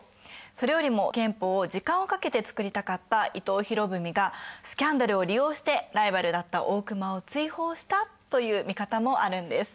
それよりも憲法を時間をかけて作りたかった伊藤博文がスキャンダルを利用してライバルだった大隈を追放したという見方もあるんです。